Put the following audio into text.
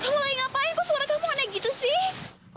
kamu lagi ngapain kok suara kamu aneh gitu sih